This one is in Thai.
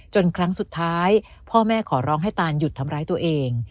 ครั้งสุดท้ายพ่อแม่ขอร้องให้ตานหยุดทำร้ายตัวเอง